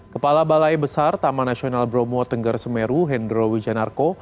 kepala balai besar taman nasional bromo tengger semeru hendro wijanarko